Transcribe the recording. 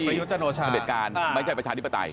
พระเจ้าโชชาผู้ดีประเทศกาลไม่ใช่ประชาดิปไตย